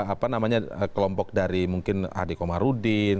apa namanya kelompok dari mungkin adik komarudin